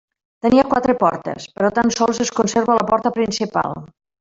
Tenia quatre portes, però tan sols es conserva la porta principal.